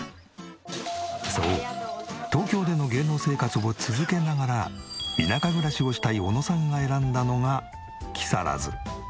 そう東京での芸能生活を続けながら田舎暮らしをしたい小野さんが選んだのが木更津。